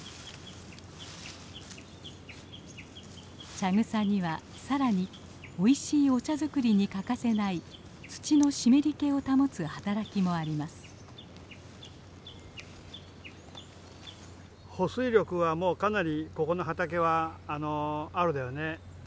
茶草にはさらにおいしいお茶作りに欠かせない土の湿り気を保つ働きもあります。